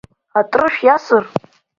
Атрышә иасыр?